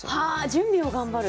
準備を頑張る。